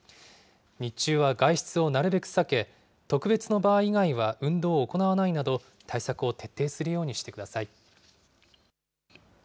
日中は外出をなるべく避け、特別の場合以外は運動を行わないなど、対策を徹底するようにしてください。